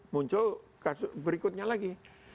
muncul berikutnya lagi